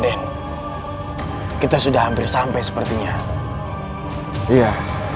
aden kita sudah hampir sampai sepertinya iya